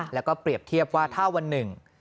แล้วก็เปรียบเทียบว่าถ้าวันหนึ่ง